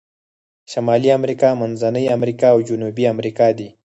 شمالي امریکا، منځنۍ امریکا او جنوبي امریکا دي.